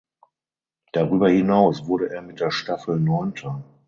Darüber hinaus wurde er mit der Staffel Neunter.